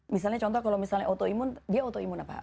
misalnya contoh kalau misalnya autoimun dia autoimun apa